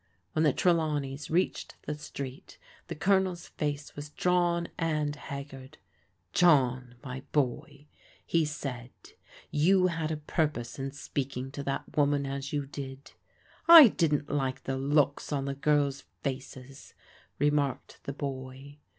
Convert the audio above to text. When the Trelawneys reached the street the Colonel's face was drawn and haggard. " John, my boy," he said, " you had a purpose in speaking to that woman as you did." " I didn't like the looks on the girls' faces," remarked the boy.